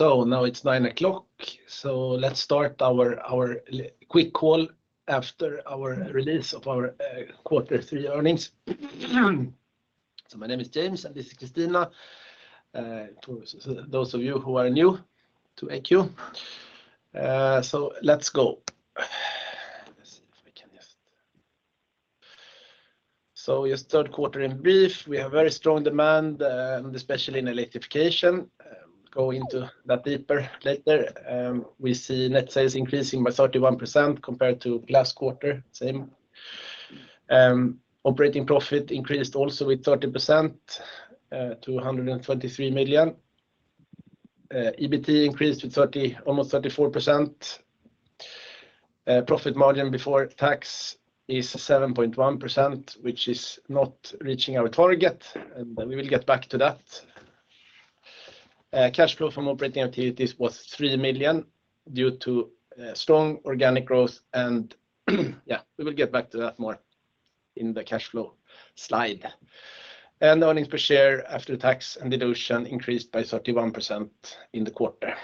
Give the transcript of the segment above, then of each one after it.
Now it's 9:00. Let's start our quick call after our release of our quarter three earnings. My name is James, and this is Christina. For those of you who are new to AQ. Let's go. Our third quarter in brief, we have very strong demand, especially in electrification. Go into that deeper later. We see net sales increasing by 31% compared to last quarter, same. Operating profit increased also with 30% to 123 million. EBT increased with almost 34%. Profit margin before tax is 7.1%, which is not reaching our target, and we will get back to that. Cash flow from operating activities was 3 million due to strong organic growth, and yeah, we will get back to that more in the cash flow slide. Earnings per share after tax and deduction increased by 31% in the quarter.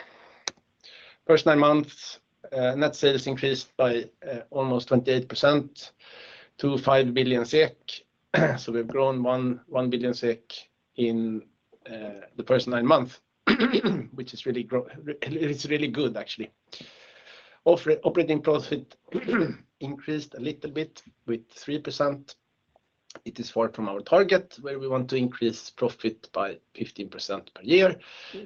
First nine months, net sales increased by almost 28% to 5 billion SEK. We've grown 1 billion SEK in the first nine months, which is really good, actually. Operating profit increased a little bit with 3%. It is far from our target, where we want to increase profit by 15% per year.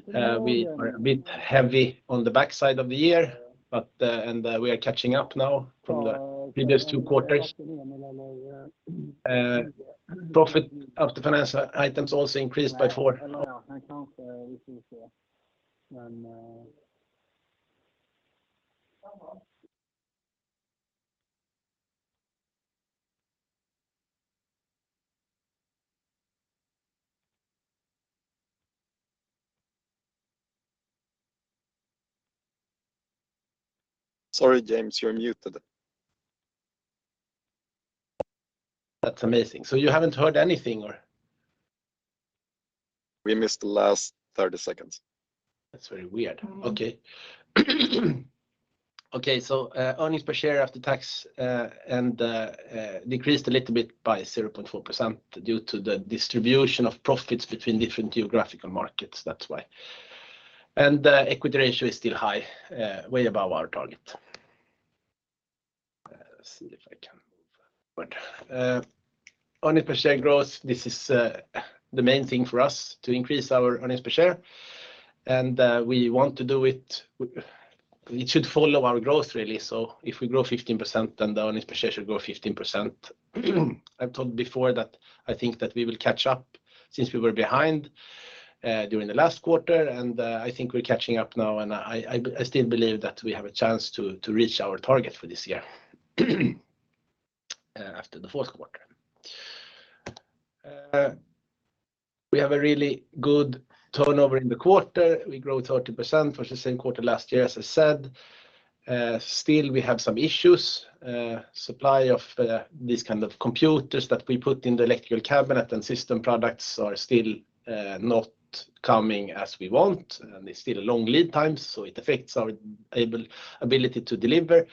We are a bit heavy on the backside of the year, but and we are catching up now from the previous two quarters. Profit after financial items also increased by four- Sorry, James, you're muted. That's amazing. You haven't heard anything or? We missed the last 30 seconds. That's very weird. Okay. Earnings per share after tax decreased a little bit by 0.4% due to the distribution of profits between different geographical markets. That's why. The equity ratio is still high, way above our target. Let's see if I can move. Earnings per share growth, this is the main thing for us to increase our earnings per share, and we want to do it. It should follow our growth, really. If we grow 15%, then the earnings per share should grow 15%. I've told before that I think that we will catch up since we were behind during the last quarter. I think we're catching up now, and I still believe that we have a chance to reach our target for this year after the fourth quarter. We have a really good turnover in the quarter. We grow 30% for the same quarter last year, as I said. Still, we have some issues. Supply of these kind of computers that we put in the electrical cabinet and system products are still not coming as we want, and there's still long lead times, so it affects our ability to deliver.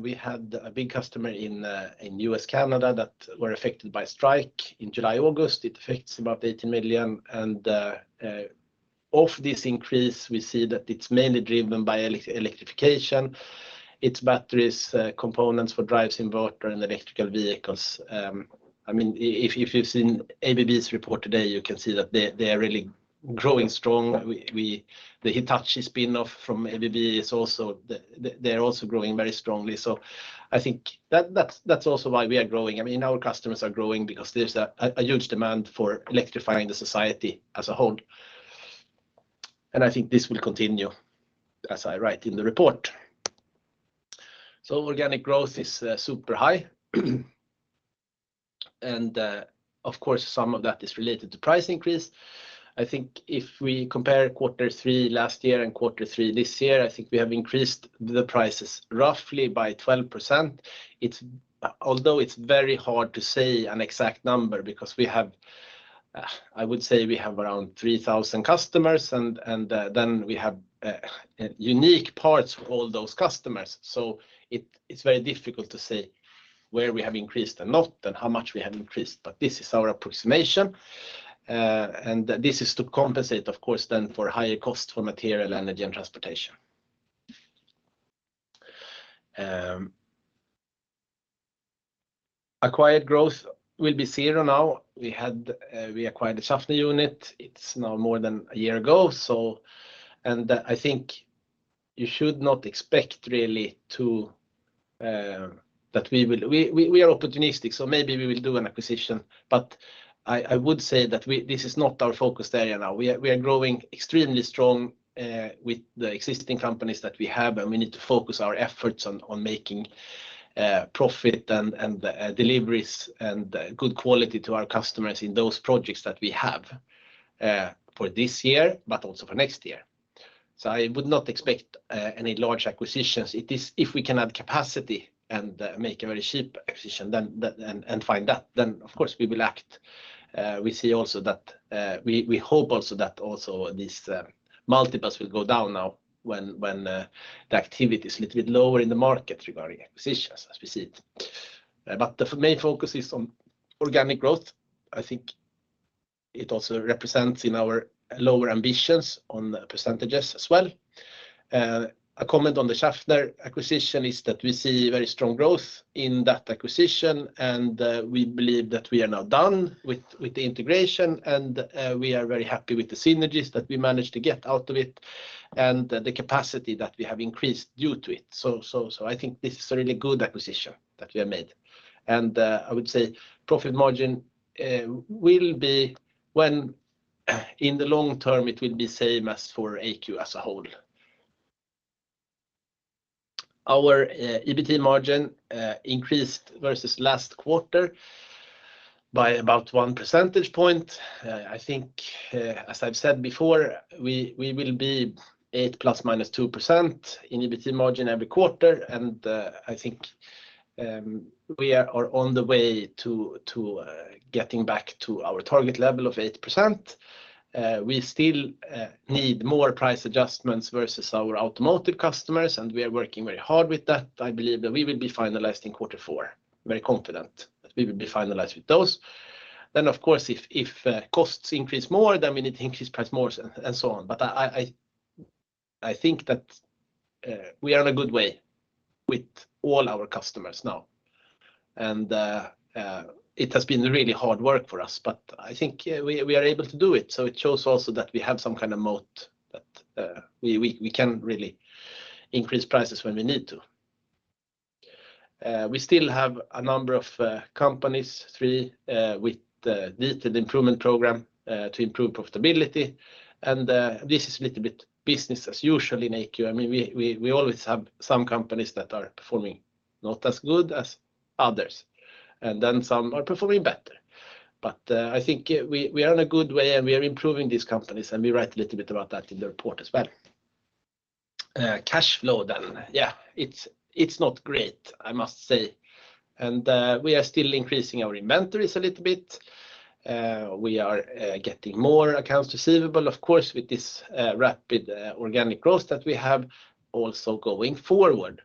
We had a big customer in the U.S., Canada, that were affected by strike in July, August. It affects about 18 million. Of this increase, we see that it's mainly driven by electrification, its batteries, components for drives, inverter, and electric vehicles. I mean, if you've seen ABB's report today, you can see that they are really growing strong. The Hitachi spin-off from ABB is also growing very strongly. I think that's also why we are growing. I mean, our customers are growing because there's a huge demand for electrifying the society as a whole. I think this will continue as I write in the report. Organic growth is super high. Of course, some of that is related to price increase. I think if we compare quarter three last year and quarter three this year, I think we have increased the prices roughly by 12%. Although it's very hard to say an exact number because we have, I would say we have around 3,000 customers and then we have unique parts for all those customers. It's very difficult to say where we have increased and not and how much we have increased, but this is our approximation. This is to compensate, of course, then for higher cost for material, energy and transportation. Acquired growth will be 0 now. We had we acquired the Schaffner unit. It's now more than a year ago. I think you should not expect really to that we will. We are opportunistic, so maybe we will do an acquisition. I would say that we this is not our focus area now. We are growing extremely strong with the existing companies that we have, and we need to focus our efforts on making profit and deliveries and good quality to our customers in those projects that we have for this year, but also for next year. I would not expect any large acquisitions. It is if we can add capacity and make a very cheap acquisition, then that and find that, then of course we will act. We see also that we hope that these multiples will go down now when the activity is a little bit lower in the market regarding acquisitions as we see it. The main focus is on organic growth. I think it also represents in our lower ambitions on percentages as well. A comment on the Schaffner acquisition is that we see very strong growth in that acquisition, and we believe that we are now done with the integration and we are very happy with the synergies that we managed to get out of it and the capacity that we have increased due to it. I think this is a really good acquisition that we have made. I would say profit margin will be in the long term same as for AQ as a whole. Our EBT margin increased versus last quarter by about 1 percentage point. I think, as I've said before, we will be 8 ± 2% in EBT margin every quarter, and I think, we are on the way to getting back to our target level of 8%. We still need more price adjustments versus our automotive customers, and we are working very hard with that. I believe that we will be finalized in quarter four. Very confident that we will be finalized with those. Of course if costs increase more, then we need to increase price more and so on. I think that we are in a good way with all our customers now. It has been really hard work for us, but I think we are able to do it. It shows also that we have some kind of moat that we can really increase prices when we need to. We still have a number of companies, three, with needed improvement program to improve profitability. This is a little bit business as usual in AQ. I mean, we always have some companies that are performing not as good as others. Some are performing better. I think we are in a good way and we are improving these companies, and we write a little bit about that in the report as well. Cash flow then. Yeah. It's not great, I must say. We are still increasing our inventories a little bit. We are getting more accounts receivable, of course, with this rapid organic growth that we have also going forward.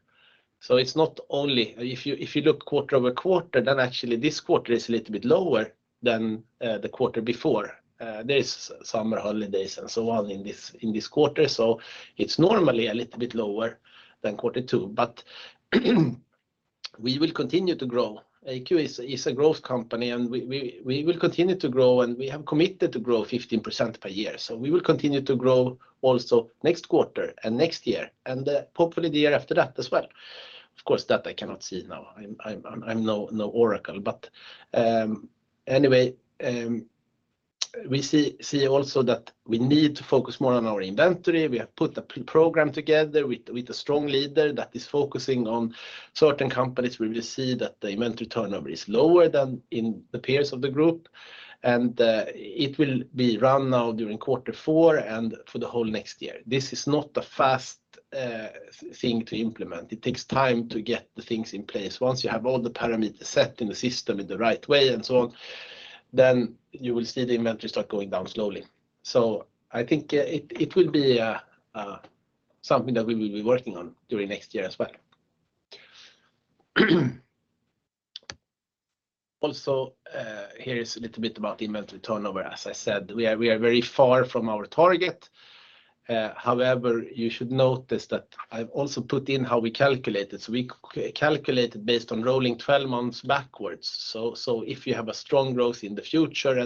If you look quarter-over-quarter, then actually this quarter is a little bit lower than the quarter before. There is summer holidays and so on in this quarter. It's normally a little bit lower than quarter two. We will continue to grow. AQ is a growth company, and we will continue to grow, and we have committed to grow 15% per year. We will continue to grow also next quarter and next year and hopefully the year after that as well. Of course, that I cannot see now. I'm no oracle. We see also that we need to focus more on our inventory. We have put a program together with a strong leader that is focusing on certain companies where we see that the inventory turnover is lower than in the peers of the group. It will be run now during quarter four and for the whole next year. This is not a fast thing to implement. It takes time to get the things in place. Once you have all the parameters set in the system in the right way and so on, then you will see the inventory start going down slowly. I think it will be something that we will be working on during next year as well. Also, here is a little bit about inventory turnover. As I said, we are very far from our target. However, you should notice that I've also put in how we calculate it. We calculate it based on rolling twelve months backwards. If you have a strong growth in the future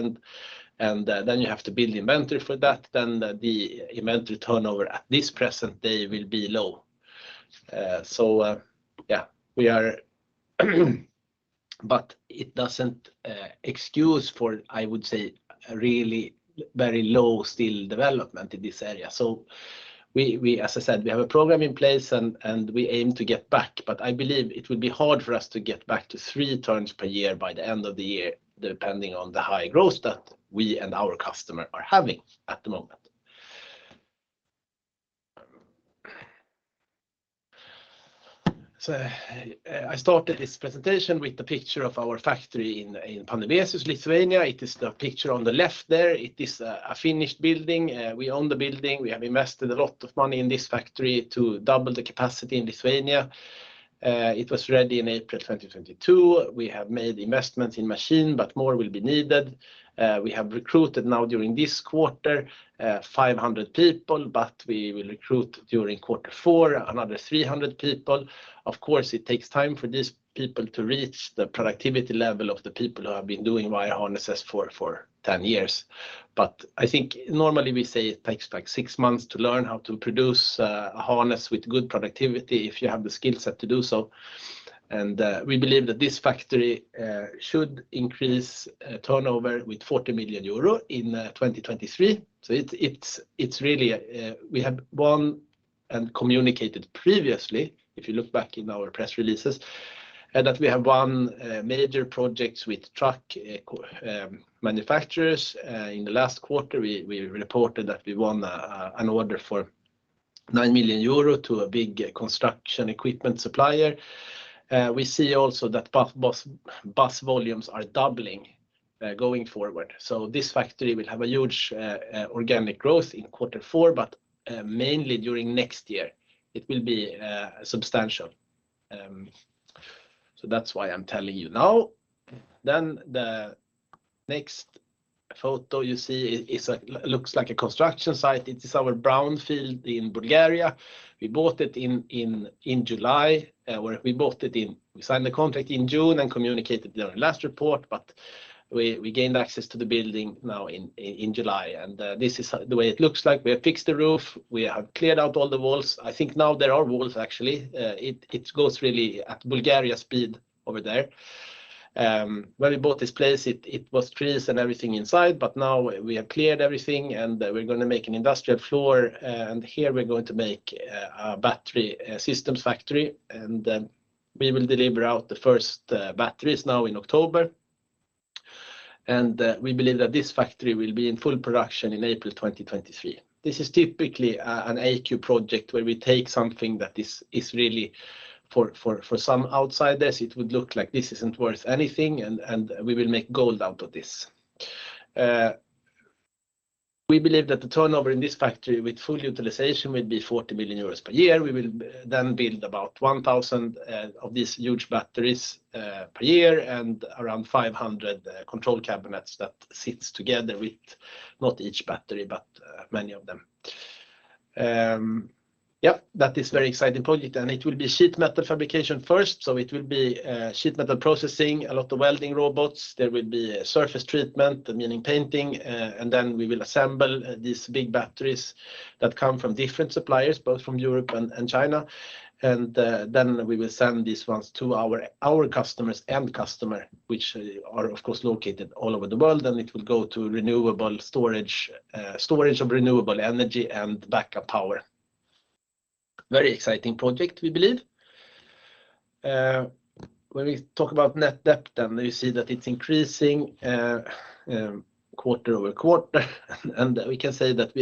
and then you have to build inventory for that, then the inventory turnover at this present day will be low. It doesn't excuse for, I would say, really very low still development in this area. We, as I said, have a program in place and we aim to get back. I believe it will be hard for us to get back to three turns per year by the end of the year, depending on the high growth that we and our customer are having at the moment. I started this presentation with the picture of our factory in Panevėžys, Lithuania. It is the picture on the left there. It is a finished building. We own the building. We have invested a lot of money in this factory to double the capacity in Lithuania. It was ready in April 2022. We have made investments in machinery, but more will be needed. We have recruited now during this quarter 500 people, but we will recruit during quarter four another 300 people. Of course, it takes time for these people to reach the productivity level of the people who have been doing wire harnesses for 10 years. I think normally we say it takes like 6 months to learn how to produce a harness with good productivity if you have the skill set to do so. We believe that this factory should increase turnover with 40 million euro in 2023. It's really. We have won and communicated previously, if you look back in our press releases, that we have won major projects with truck OEM manufacturers. In the last quarter, we reported that we won an order for 9 million euro to a big construction equipment supplier. We see also that bus volumes are doubling going forward. This factory will have a huge organic growth in quarter four, but mainly during next year, it will be substantial. That's why I'm telling you now. The next photo you see looks like a construction site. It is our brownfield in Bulgaria. We bought it in July. We signed the contract in June and communicated during last report, but we gained access to the building now in July. This is the way it looks like. We have fixed the roof. We have cleared out all the walls. I think now there are walls, actually. It goes really at Bulgaria speed over there. When we bought this place, it was trees and everything inside, but now we have cleared everything, and we're gonna make an industrial floor. Here we're going to make a battery systems factory. We will deliver out the first batteries now in October. We believe that this factory will be in full production in April 2023. This is typically an AQ project where we take something that is really for some outsiders, it would look like this isn't worth anything and we will make gold out of this. We believe that the turnover in this factory with full utilization will be 40 million euros per year. We will then build about 1,000 of these huge batteries per year and around 500 control cabinets that sits together with not each battery, but many of them. That is very exciting project. It will be sheet metal fabrication first, so it will be sheet metal processing, a lot of welding robots. There will be a surface treatment, meaning painting, and then we will assemble these big batteries that come from different suppliers, both from Europe and China. We will send these ones to our customers, which are, of course, located all over the world, and it will go to renewable storage of renewable energy and backup power. Very exciting project, we believe. When we talk about net debt and you see that it's increasing quarter-over-quarter. We can say that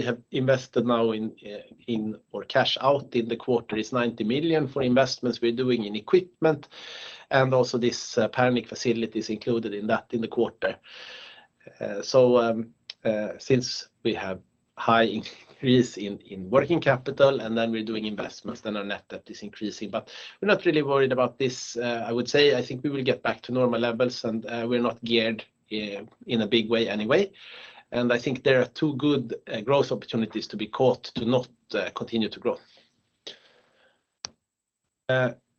our cash out in the quarter is 90 million for investments we're doing in equipment. Also this Panevėžys facility is included in that in the quarter. Since we have high increase in working capital, and then we're doing investments, then our net debt is increasing. We're not really worried about this. I would say I think we will get back to normal levels, and we're not geared in a big way anyway. I think there are two good growth opportunities to catch to continue to grow.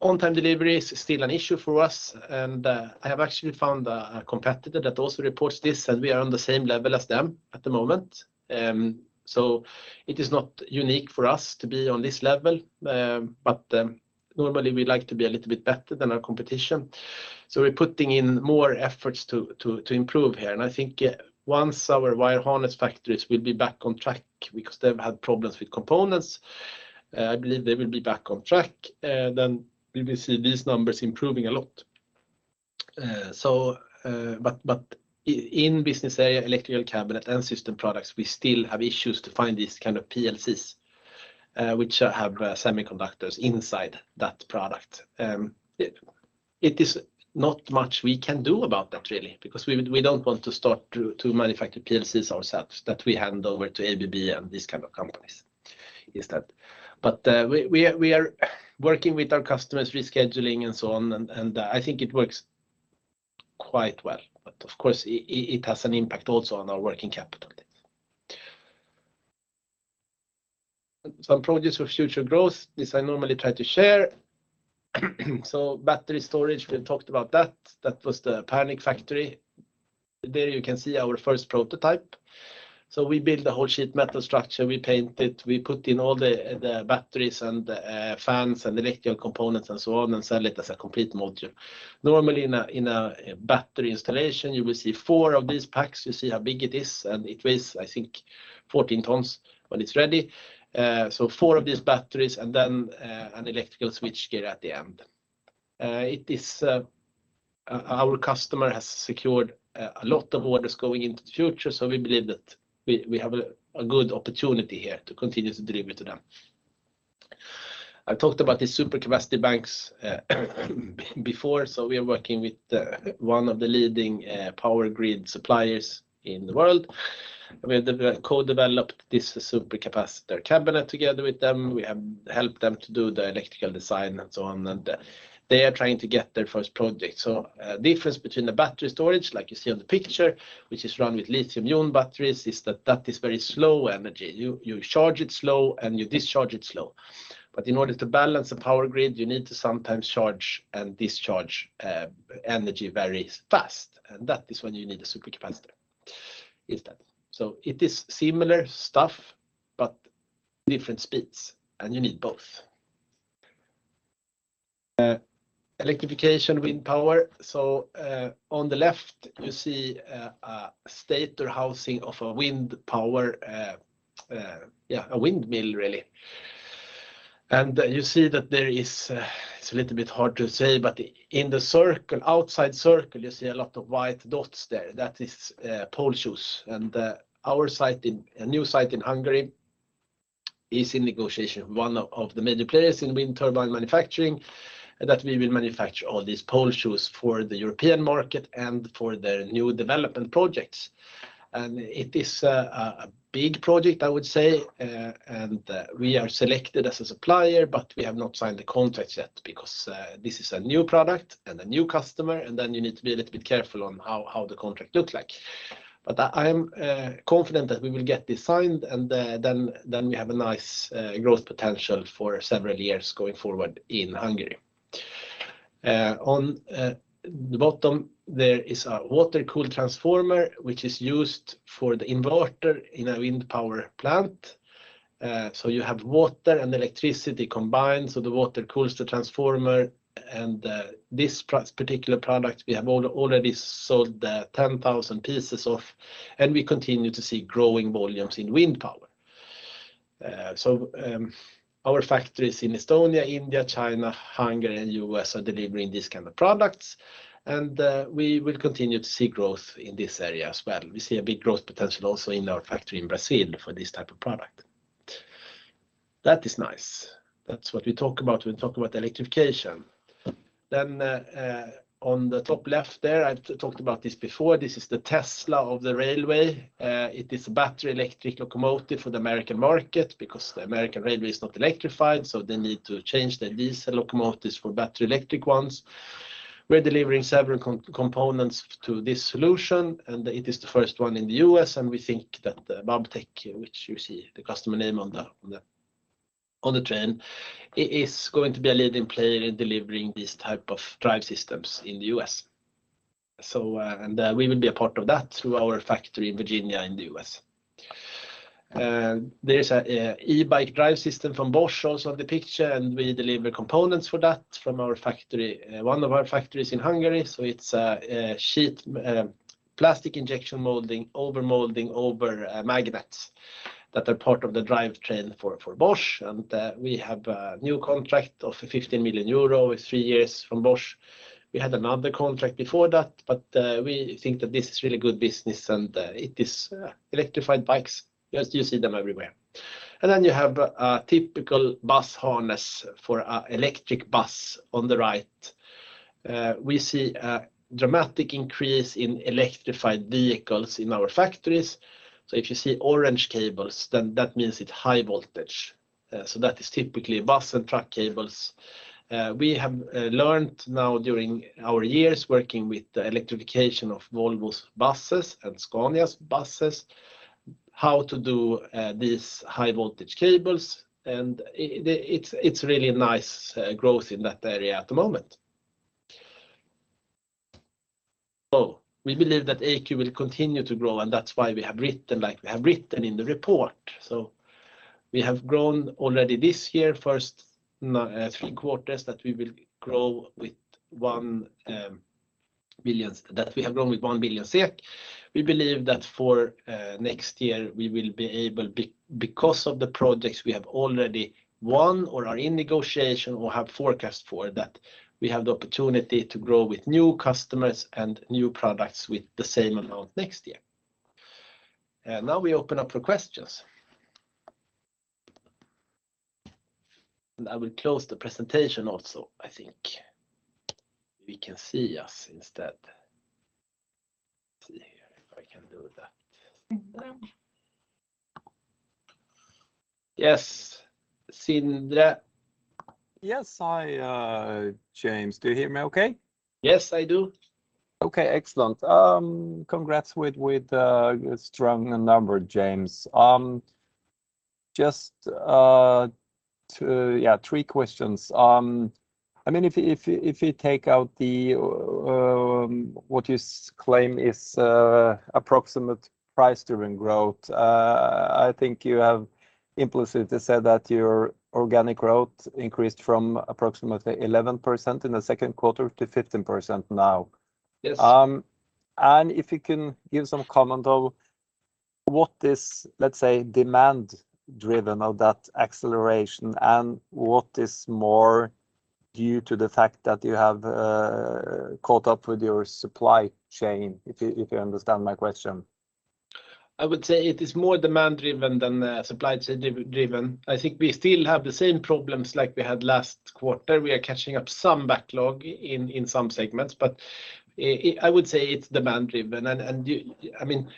On-time delivery is still an issue for us, and I have actually found a competitor that also reports this, and we are on the same level as them at the moment. It is not unique for us to be on this level, but normally we like to be a little bit better than our competition. We're putting in more efforts to improve here. I think once our wire harness factories will be back on track because they've had problems with components, I believe they will be back on track. We will see these numbers improving a lot. In business area Electrical Cabinet and System Products, we still have issues to find these kind of PLCs, which have semiconductors inside that product. It is not much we can do about that really, because we don't want to start to manufacture PLCs ourselves that we hand over to ABB and these kind of companies. We are working with our customers, rescheduling and so on, and I think it works quite well. Of course, it has an impact also on our working capital. Some projects for future growth. This I normally try to share. Battery storage, we've talked about that. That was the Panevėžys factory. There you can see our first prototype. We build the whole sheet metal structure, we paint it, we put in all the batteries and fans and electrical components and so on, and sell it as a complete module. Normally in a battery installation, you will see four of these packs. You see how big it is, and it weighs, I think, 14 tons when it's ready. Four of these batteries and then an electrical switchgear at the end. It is our customer has secured a lot of orders going into the future, so we believe that we have a good opportunity here to continue to deliver to them. I talked about these supercapacitor banks before. We are working with one of the leading power grid suppliers in the world. We have co-developed this supercapacitor cabinet together with them. We have helped them to do the electrical design and so on. They are trying to get their first project. Difference between the battery storage, like you see on the picture, which is run with lithium-ion batteries, is that it is very slow energy. You charge it slow and you discharge it slow. But in order to balance the power grid, you need to sometimes charge and discharge energy very fast. That is when you need a supercapacitor. It is similar stuff but different speeds, and you need both. Electrification wind power. On the left you see a stator housing of a wind power, yeah, a windmill really. You see that there is, it is a little bit hard to say, but in the circle, outside circle, you see a lot of white dots there. That is pole shoes. Our site, a new site in Hungary is in negotiation with one of the major players in wind turbine manufacturing, that we will manufacture all these pole shoes for the European market and for their new development projects. It is a big project, I would say. We are selected as a supplier, but we have not signed the contract yet because this is a new product and a new customer, and then you need to be a little bit careful on how the contract looks like. I'm confident that we will get this signed, and then we have a nice growth potential for several years going forward in Hungary. On the bottom there is a water-cooled transformer, which is used for the inverter in a wind power plant. You have water and electricity combined, so the water cools the transformer. This particular product we have already sold 10,000 pieces of, and we continue to see growing volumes in wind power. Our factories in Estonia, India, China, Hungary, and U.S. are delivering these kind of products, and we will continue to see growth in this area as well. We see a big growth potential also in our factory in Brazil for this type of product. That is nice. That's what we talk about when we talk about electrification. On the top left there, I've talked about this before. This is the Tesla of the railway. It is a battery electric locomotive for the American market because the American railway is not electrified, so they need to change their diesel locomotives for battery electric ones. We're delivering several components to this solution, and it is the first one in the US, and we think that Wabtec, which you see the customer name on the train, is going to be a leading player in delivering these type of drive systems in the US. We will be a part of that through our factory in Virginia in the US. There's an e-bike drive system from Bosch also on the picture, and we deliver components for that from one of our factories in Hungary. It's a sheet plastic injection molding, overmolding over magnets that are part of the drivetrain for Bosch. We have a new contract of 15 million euro with 3 years from Bosch. We had another contract before that, but we think that this is really good business and it is electrified bikes. Just you see them everywhere. Then you have a typical bus harness for a electric bus on the right. We see a dramatic increase in electrified vehicles in our factories. If you see orange cables, then that means it's high voltage. That is typically bus and truck cables. We have learned now during our years working with the electrification of Volvo's buses and Scania's buses how to do these high voltage cables, and it's really nice growth in that area at the moment. We believe that AQ will continue to grow, and that's why we have written like we have written in the report. We have grown already this year, first three quarters, that we will grow with 1 billion, that we have grown with 1 billion SEK. We believe that for next year we will be able because of the projects we have already won or are in negotiation or have forecast for, that we have the opportunity to grow with new customers and new products with the same amount next year. Now we open up for questions. I will close the presentation also, I think. We can see us instead. See here if I can do that. Yes, Sindre. Yes, I, James, do you hear me okay? Yes, I do. Okay, excellent. Congrats with strong number, James. Just two, yeah, three questions. I mean, if you take out the what you claim is approximate price-driven growth, I think you have implicitly said that your organic growth increased from approximately 11% in the second quarter to 15% now. Yes. If you can give some comment on what is, let's say, demand driven of that acceleration and what is more due to the fact that you have caught up with your supply chain, if you understand my question? I would say it is more demand driven than supply chain-driven. I think we still have the same problems like we had last quarter. We are catching up some backlog in some segments, but I would say it's demand driven. I mean,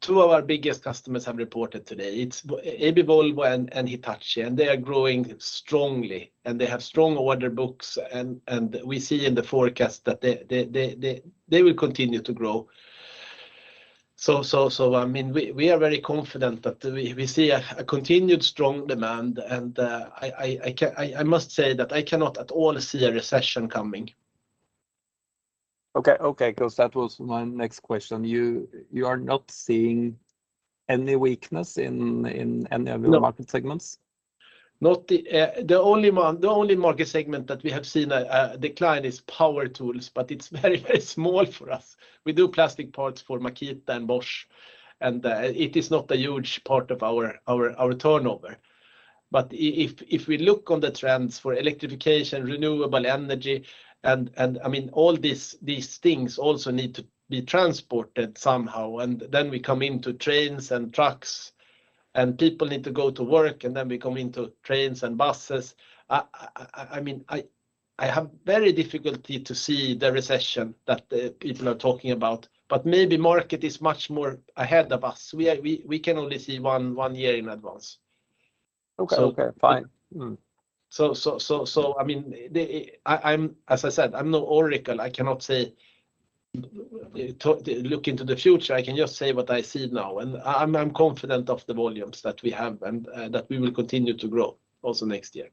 two of our biggest customers have reported today. It's AB Volvo and Hitachi, and they are growing strongly, and they have strong order books and we see in the forecast that they will continue to grow. I mean, we are very confident that we see a continued strong demand and I must say that I cannot at all see a recession coming. Okay. Because that was my next question. You are not seeing any weakness in any of. No your market segments? Not the only one, the only market segment that we have seen a decline is power tools, but it's very small for us. We do plastic parts for Makita and Bosch, and it is not a huge part of our turnover. If we look on the trends for electrification, renewable energy, and I mean, all this, these things also need to be transported somehow, and then we come into trains and trucks, and people need to go to work, and then we come into trains and buses. I mean, I have very difficulty to see the recession that people are talking about, but maybe market is much more ahead of us. We can only see one year in advance. Okay, fine. I mean, I'm, as I said, I'm no oracle. I cannot say to look into the future. I can just say what I see now, and I'm confident of the volumes that we have and that we will continue to grow also next year.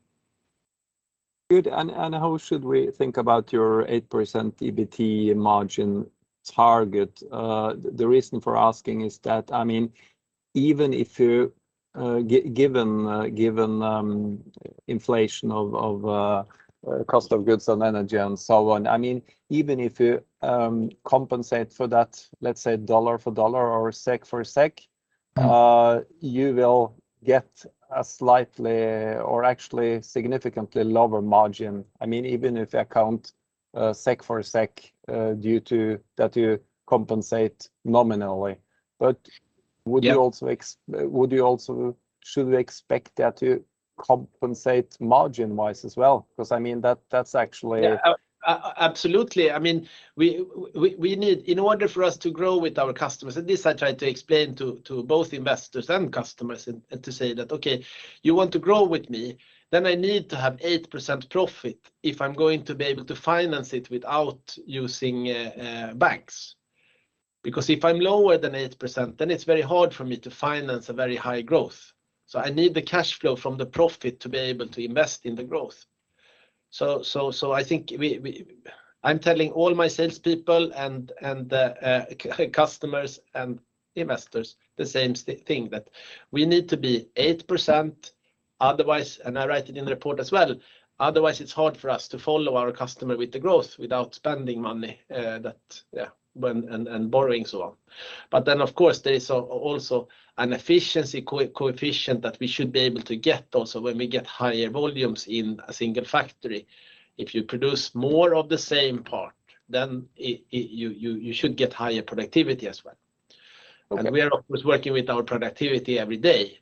Good. How should we think about your 8% EBT margin target? The reason for asking is that, I mean, even if you given inflation of cost of goods and energy and so on, I mean, even if you compensate for that, let's say dollar for dollar or SEK for SEK. Mm You will get a slightly or actually significantly lower margin, I mean, even if I count SEK for SEK, due to that you compensate nominally. Yeah Would you also, should we expect that to compensate margin-wise as well? 'Cause I mean, that's actually- Yeah. Absolutely. I mean, we need in order for us to grow with our customers, and this I tried to explain to both investors and customers and to say that, "Okay, you want to grow with me, then I need to have 8% profit if I'm going to be able to finance it without using banks." Because if I'm lower than 8%, then it's very hard for me to finance a very high growth. I think we. I'm telling all my salespeople and customers and investors the same thing, that we need to be 8%, otherwise, and I write it in the report as well, otherwise, it's hard for us to follow our customer with the growth without spending money and borrowing so on. Of course, there is also an efficiency coefficient that we should be able to get also when we get higher volumes in a single factory. If you produce more of the same part, then you should get higher productivity as well. Okay. We are of course working with our productivity every day.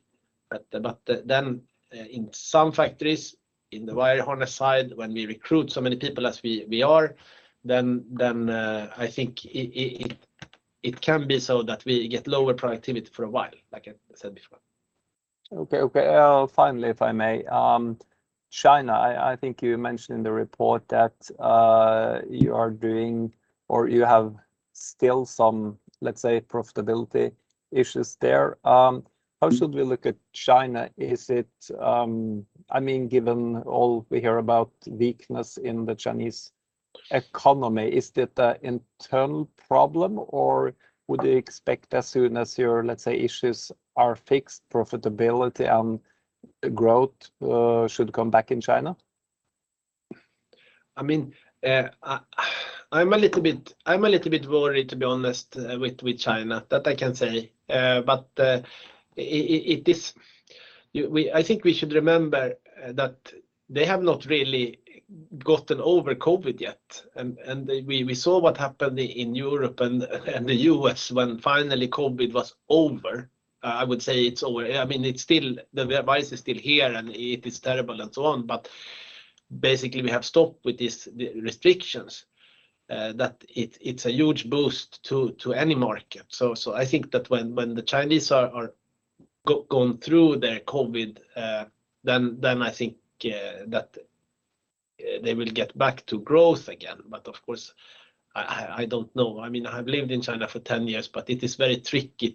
In some factories, in the wire harness side, when we recruit so many people as we are, then I think it can be so that we get lower productivity for a while, like I said before. Okay. Finally, if I may, China, I think you mentioned in the report that you are doing or you have still some, let's say, profitability issues there. How should we look at China? Is it, I mean, given all we hear about weakness in the Chinese economy, is it a internal problem, or would you expect as soon as your, let's say, issues are fixed, profitability and growth should come back in China? I mean, I'm a little bit worried, to be honest, with China. That I can say. I think we should remember that they have not really gotten over COVID yet. We saw what happened in Europe and the US when finally COVID was over. I would say it's over. I mean, it's still, the virus is still here, and it is terrible and so on, but basically we have stopped with the restrictions. It's a huge boost to any market. I think that when the Chinese are gone through their COVID, then I think that they will get back to growth again. Of course, I don't know. I mean, I've lived in China for 10 years, but it is very tricky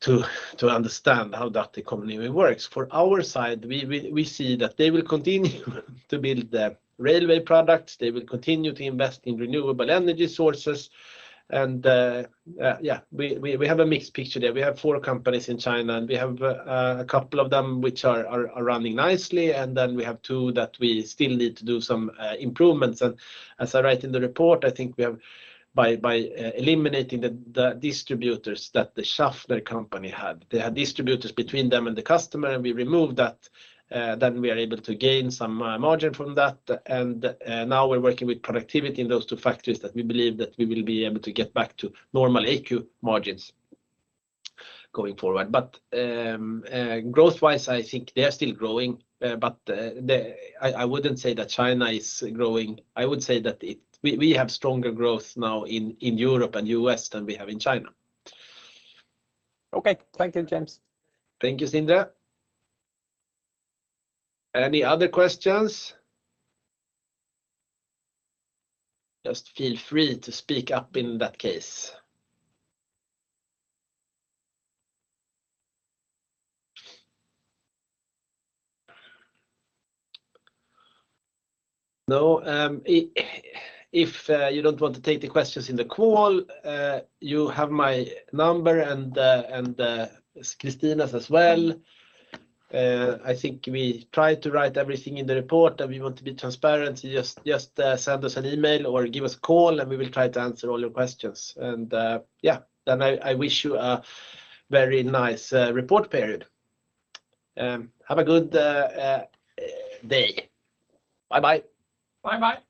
to understand how that economy works. For our side, we see that they will continue to build the railway products. They will continue to invest in renewable energy sources. We have a mixed picture there. We have four companies in China, and we have a couple of them which are running nicely, and then we have two that we still need to do some improvements. As I write in the report, I think we have by eliminating the distributors that the Schaffner company had, they had distributors between them and the customer, and we removed that, then we are able to gain some margin from that. Now we're working with productivity in those two factories that we believe that we will be able to get back to normal AQ margins going forward. Growth-wise, I think they are still growing. I wouldn't say that China is growing. I would say that we have stronger growth now in Europe and U.S. than we have in China. Okay. Thank you, James. Thank you, Sindre. Any other questions? Just feel free to speak up in that case. No? If you don't want to take the questions in the call, you have my number and Christina's as well. I think we try to write everything in the report, and we want to be transparent. Just send us an email or give us a call, and we will try to answer all your questions. Yeah. I wish you a very nice report period. Have a good day. Bye-bye. Bye-bye.